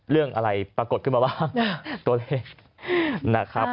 เรื่องอะไรปรากฏออกมาบ้าง